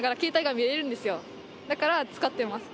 だから使ってます。